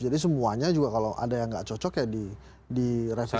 jadi semuanya juga kalau ada yang tidak cocok ya direvisi semua